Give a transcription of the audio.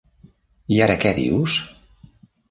I ara què dius?